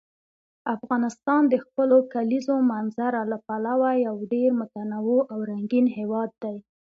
افغانستان د خپلو کلیزو منظره له پلوه یو ډېر متنوع او رنګین هېواد دی.